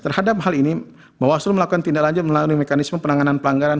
terhadap hal ini bawas melakukan tindaklanjuti melalui mekanisme penanganan pelanggaran